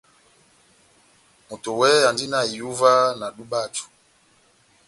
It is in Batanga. Moto wɛhɛ andi na ihúwa na edub'aju.